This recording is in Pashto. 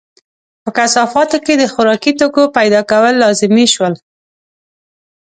په کثافاتو کې د خوراکي توکو پیدا کول لازمي شول.